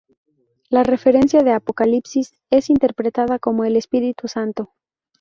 La referencia de Apocalipsis es interpretada como el Espíritu Santo.